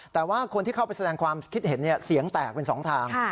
แต่ว่าคนที่เข้าไปแสดงความคิดเห็นเสียงแตกเป็นสองทาง